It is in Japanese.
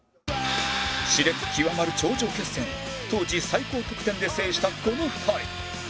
熾烈極まる頂上決戦を当時最高得点で制したこの２人